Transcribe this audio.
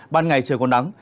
ban ngày trời còn nắng